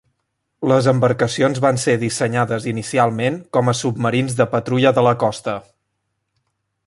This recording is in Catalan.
Les embarcacions van ser dissenyades inicialment com a submarins de patrulla de la costa.